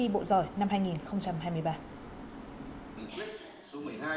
bí thư tri bộ giỏi năm hai nghìn hai mươi ba